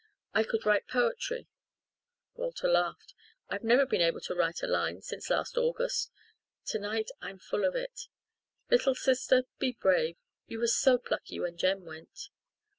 I could write poetry," Walter laughed. "I've never been able to write a line since last August. Tonight I'm full of it. Little sister, be brave you were so plucky when Jem went."